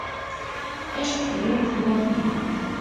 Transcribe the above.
عشق د روح ځواک دی.